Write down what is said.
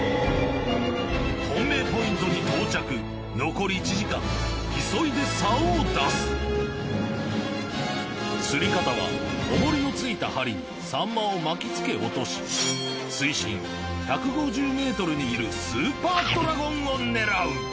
本命ポイントに到着残り１時間急いでサオを出す釣り方はおもりの付いた針にサンマを巻きつけ落とし水深１５０ｍにいるスーパードラゴンを狙う！